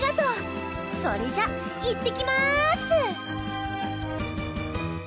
それじゃあいってきます！